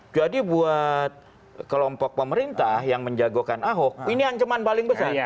jadi buat kelompok pemerintah yang menjagokan ahok ini ancaman paling besar